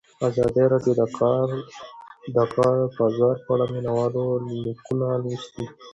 ازادي راډیو د د کار بازار په اړه د مینه والو لیکونه لوستي.